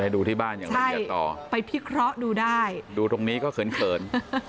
ดูที่บ้านอย่างสุดท้ายต่อไปพิเคราะห์ดูได้ดูตรงนี้ก็เกิน